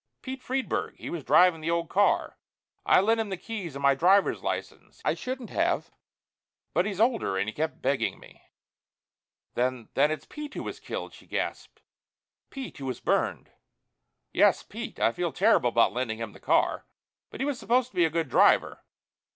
"Pete Friedburg. He was driving the old car. I lent him the keys and my driver's license. I shouldn't have but he's older and he kept begging me...." "Then then it's Pete who was killed?" she gasped. "Pete who was burned?" "Yes, Pete. I feel terrible about lending him the car. But he was supposed to be a good driver.